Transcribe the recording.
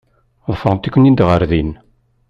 Ḍefrent-iken-id ɣer din.